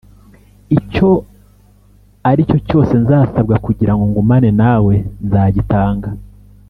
icyo ari cyo cyose nzasabwa kugira ngo ngumane nawe nzagitanga